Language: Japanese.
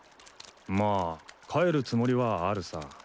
まあ帰るつもりはあるさ。